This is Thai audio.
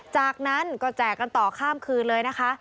จากนั้นก็แจกกันต่อข้ามคืนเลยนะคะ